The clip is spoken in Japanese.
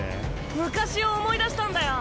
昔を思い出したんだよ。